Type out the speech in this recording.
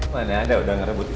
mana ada udah ngerebut istriku